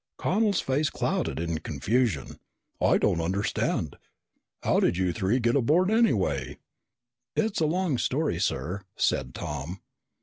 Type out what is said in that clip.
Connel's face clouded in confusion. "I don't understand. How did you three get aboard, anyway?" "It's a long story, sir," said Tom.